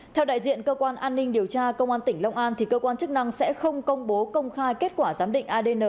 theo đại diện cơ quan an ninh điều tra công an tỉnh long an cơ quan chức năng sẽ không công bố công khai kết quả giám định adn